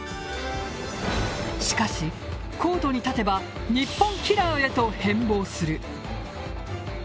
しかし、コートに立てば日本キラーへと変貌する。